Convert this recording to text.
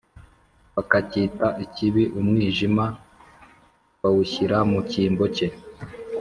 bakacyita ikibi umwijima bawushyira mu cyimbo cye